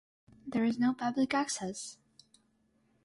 There is no public access.